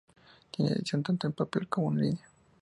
Tiene edición tanto en papel como en línea.